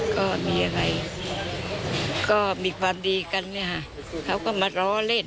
ก็มีอะไรก็มีความดีกันเนี่ยค่ะเขาก็มาล้อเล่น